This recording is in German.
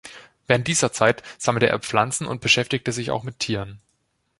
Während dieser Zeit sammelte er Pflanzen und beschäftigte sich auch mit Tieren.